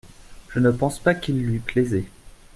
Je ne pense pas qu’il lui plaisait.